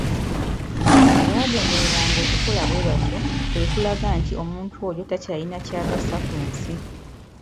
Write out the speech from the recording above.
Kye baagendereranga okukola bwe batyo kwe kulaga nti omuntu oyo takyalina kyagasa ku nsi.